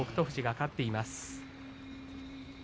富士が勝っています。